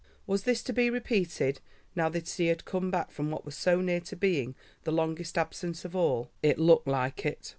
Was this to be repeated now that he had come back from what was so near to being the longest absence of all? It looked like it.